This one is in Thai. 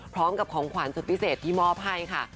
พร้อมกับของขวัญสุดพิเศษที่มอบให้ค่ะ